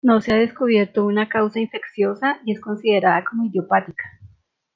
No se ha descubierto una causa infecciosa y es considerada como idiopática.